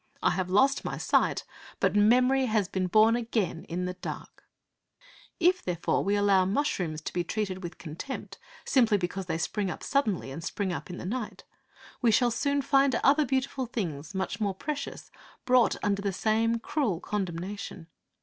I have lost my sight, but memory has been born again in the dark.' If, therefore, we allow mushrooms to be treated with contempt, simply because they spring up suddenly, and spring up in the night, we shall soon find other beautiful things, much more precious, brought under the same cruel condemnation.